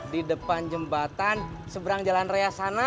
di depan jembatan seberang jalan raya sana